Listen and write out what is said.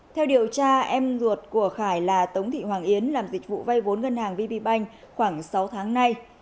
theo điều tra em ruột của khải là tống thị hoàng yến làm dịch vụ vay vốn ngân hàng vb bank khoảng sáu tháng nay